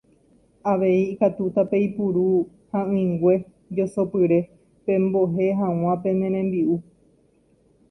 Avei ikatúta peipuru ha'ỹingue josopyre pembohe hag̃ua pene rembi'u.